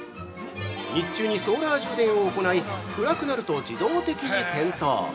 日中にソーラー充電を行い暗くなると自動的に点灯。